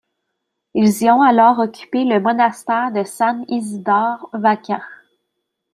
Ils y ont alors occupé le monastère de San-Isidore vacant.